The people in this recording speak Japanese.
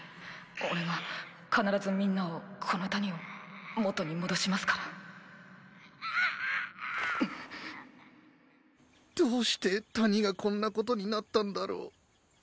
俺が必ずみんなをこの谷を元に戻しますからどうして谷がこんなことになったんだろう